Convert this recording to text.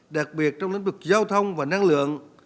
đặc biệt trong lĩnh vực giao thông và năng lượng